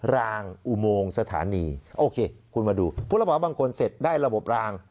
รางอุโมงสถานีโอเคคุณมาดูผู้รับเหมาบางคนเสร็จได้ระบบราง